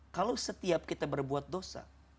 kalau setiap kita berbuat dosa